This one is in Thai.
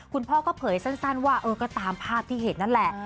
คุณพ่อก็เผยสั้นว่าเออก็ตามภาพที่เห็นนั่นแหละ